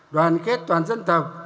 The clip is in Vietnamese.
đoàn kết toàn dân tộc